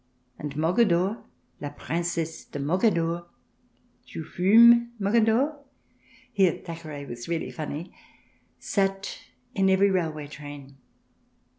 And Mogador — la Princesse de Mogador I (" Tu fumes, Mogador ?" Here Thackeray was really funny) sat in every railway train.